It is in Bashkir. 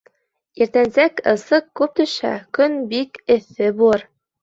Иртәнсәк ысыҡ күп төшһә, көн бик эҫе булыр.